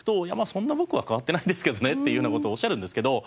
そんな僕は変わってないですけどねっていうような事をおっしゃるんですけど。